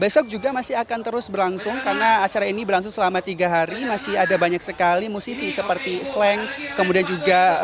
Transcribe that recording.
besok juga masih akan terus berlangsung karena acara ini berlangsung selama tiga hari masih ada banyak sekali musisi rock yang baru saja tampil yaitu band kotak dan nanti akan ditutup oleh musisi dari genre reggae